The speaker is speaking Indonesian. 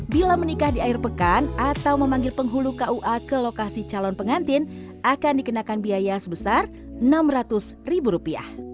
bila menikah di air pekan atau memanggil penghulu kua ke lokasi calon pengantin akan dikenakan biaya sebesar rp enam ratus